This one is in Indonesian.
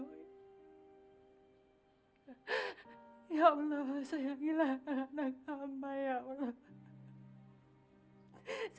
ampunilah seru sanaku ya allah